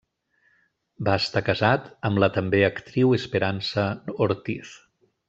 Va estar casat amb la també actriu Esperança Ortiz.